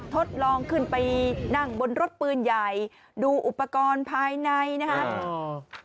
ทดลองขึ้นไปนั่งบนรถปืนใหญ่ดูอุปกรณ์ภายในนะครับ